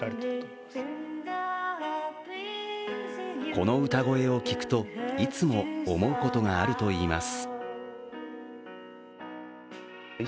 この歌声を聞くと、いつも思うことがあるといいます。